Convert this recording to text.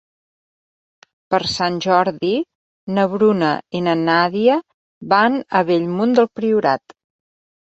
Per Sant Jordi na Bruna i na Nàdia van a Bellmunt del Priorat.